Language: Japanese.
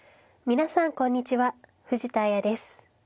皆さんこんにちは藤田綾です。